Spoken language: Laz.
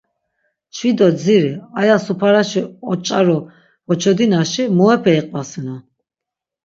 Çvi do dziri, aya suparaşi oç̆aru voçodinaşi muepe iqvasinon.